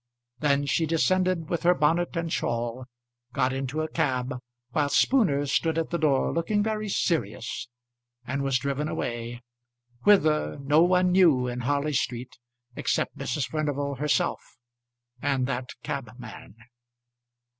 Then she descended with her bonnet and shawl, got into a cab while Spooner stood at the door looking very serious, and was driven away, whither, no one knew in Harley Street except Mrs. Furnival herself, and that cabman.